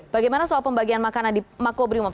bagaimana soal pembagian makanan di mako brimob